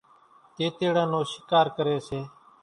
تيتيڙان نو شِڪار ڪريَ سي۔